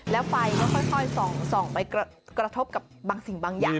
แล้วไฟก็ค่อยส่องไปกระทบกับบางสิ่งบางอย่าง